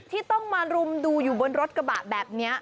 ที่ต้องมารุมดูอยู่บนรถกระบะแบบนี้